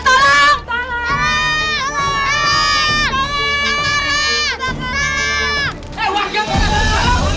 di mana asal